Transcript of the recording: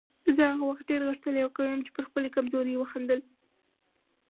زه هغه وخت ډېر غښتلی او قوي وم چې پر خپلې کمزورۍ وخندل.